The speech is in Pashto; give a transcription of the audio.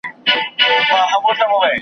زما پیغام ته هم یو څه توجه وکړي